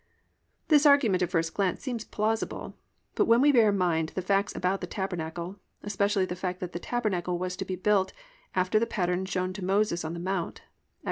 This argument at first glance seems plausible, but when we bear in mind the facts about the tabernacle, especially the fact that the tabernacle was to be built after the pattern shown to Moses in the mount (Ex.